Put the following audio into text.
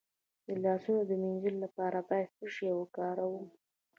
د لاسونو د مینځلو لپاره باید څه شی وکاروم؟